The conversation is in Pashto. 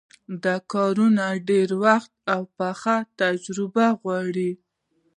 دا کارونه ډېر وخت او پخه تجربه غواړي.